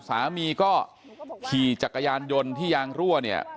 สามีก็ขี่จักรยานยนต์ที่ยางรั่วเนี่ย